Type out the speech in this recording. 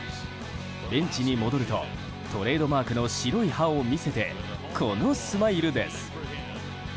ベンチに戻るとトレードマークの白い歯を見せてこのスマイルです。